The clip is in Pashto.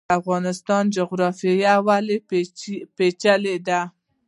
د افغانستان جغرافیا ولې پیچلې ده؟